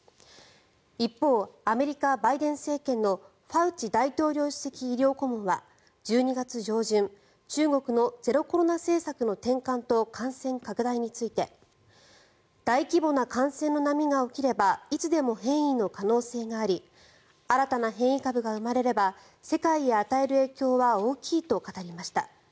一方、アメリカ、バイデン政権のファウチ大統領首席医療顧問は１２月上旬、中国のゼロコロナ政策の転換と感染拡大について大規模な感染の波が起きればいつでも変異の可能性があり新たな変異株が生まれれば世界へ与える影響は大きいと語りました。